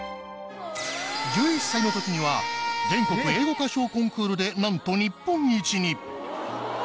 １１歳の時には全国英語歌唱コンクールでなんと日本一に。